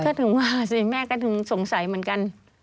ก็ถึงว่าสิแม่ก็ถึงสงสัยเหมือนกัน